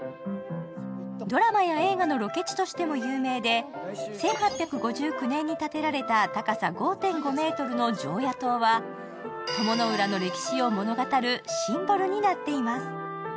ドラマや映画のロケ地としても有名で、１８５９年に建てられた高さ５．５ｍの常夜灯は鞆の浦の歴史を物語るシンボルになっています。